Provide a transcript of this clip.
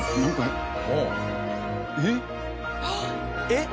「えっ！？」